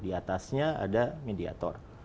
di atasnya ada mediator